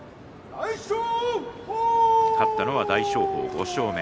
勝ったのは大翔鵬、５勝目。